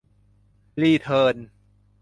รีเทิร์น